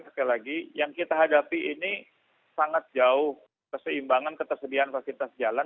sekali lagi yang kita hadapi ini sangat jauh keseimbangan ketersediaan fasilitas jalan